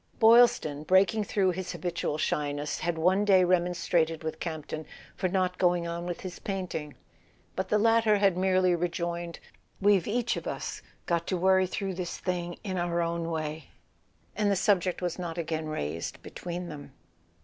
Boylston, breaking through his habitual shyness, had one day remonstrated with Campton for not going on wdth his painting: but the latter had merely re¬ joined: " We've each of us got to worry through this thing in our own way—" and the subject was not again raised between them.